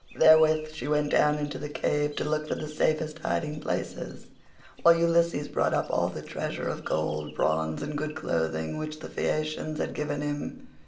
Therewith she went down into the cave to look for the safest hiding places, while Ulysses brought up all the treasure of gold, bronze, and good clothing which the Phaeacians had given him.